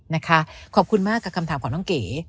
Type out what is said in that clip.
นะคะขอบคุณมากกับคำถามของน้องเก๋